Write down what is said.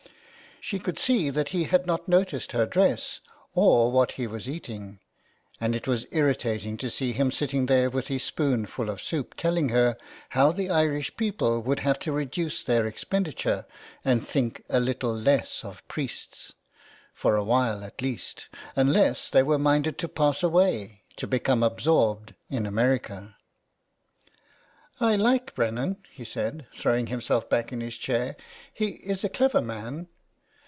She could see that he had not noticed her dress or what he was eating, and it was irritating to see him sitting there with his spoon full of soup telling her how the Irish people would have to reduce their expenditure and think a little less of priests— for a while, at least — unless they were minded to pass away, to become absorbed in America. " I like Brennan," he said, throwing himself back in his chair. '' He is a clever man.